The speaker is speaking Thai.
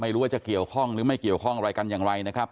ไม่รู้ว่าจะเกี่ยวข้องหรือไม่เกี่ยวข้องอะไรกันอย่างไรนะครับ